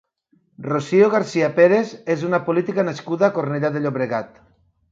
Rocío García Pérez és una política nascuda a Cornellà de Llobregat.